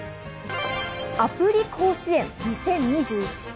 アプリ甲子園２０２１と。